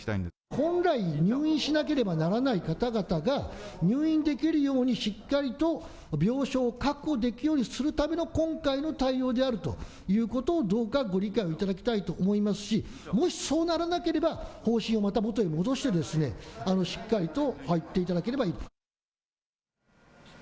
本来、入院しなければならない方々が、入院できるようにしっかりと病床確保できるようにするための今回の対応であるということをどうかご理解をいただきたいと思いますし、もしそうならなければ、方針をまた元に戻してですね、しっかりと入っていただければいい。